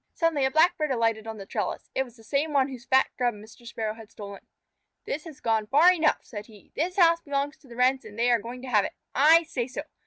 Suddenly a Blackbird alighted on the trellis. It was the same one whose fat Grub Mr. Sparrow had stolen. "This has gone far enough," said he. "This house belongs to the Wrens and they are going to have it. I say so.